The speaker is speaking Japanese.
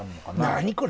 何これ？